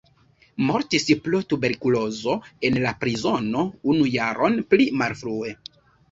Mortis pro tuberkulozo en la prizono unu jaron pli malfrue.